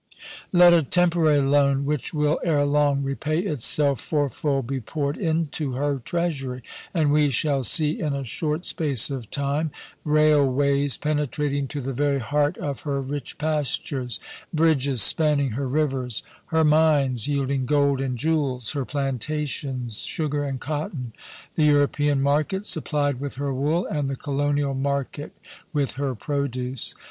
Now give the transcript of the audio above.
* Let a temporary loan, which will, ere long, repay itself fourfold, be poured into her treasury, and we shall see, in a short space of time, railways penetrating to the very heart of her rich pastures ; bridges spanning her rivers ; her mines yielding gold and jewels, her plantations sugar and cotton ; the European market supplied with her wool, and the colonial market with her produce.